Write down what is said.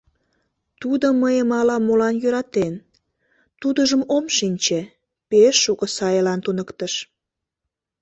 Тудо мыйым ала-молан йӧратен, тудыжым ом шинче, пеш шуко сайлан туныктыш.